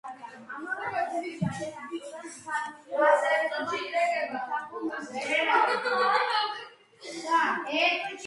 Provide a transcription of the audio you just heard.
როცა ვერაფერს ნახავენ ყუთებს და ურემს მიადგებიან.